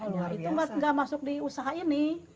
itu enggak masuk di usaha ini